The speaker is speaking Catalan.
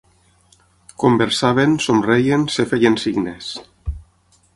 Conversaven, somreien, es feien signes